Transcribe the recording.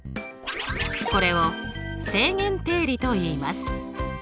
これを正弦定理といいます。